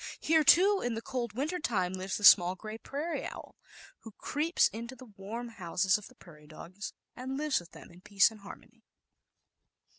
Here, too, in the cold winter nail j time, lives the small grey prairie owl, who creeps into the warm houses of the "*Vy | prairie dogs and lives with them in peace and harmony.